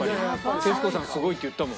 徹子さんがすごいって言ったもん。